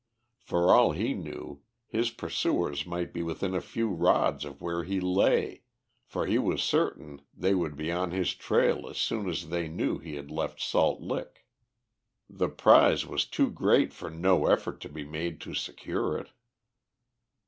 For all he knew, his pursuers might be within a few rods of where he lay, for he was certain they would be on his trail as soon as they knew he had left Salt Lick. The prize was too great for no effort to be made to secure it.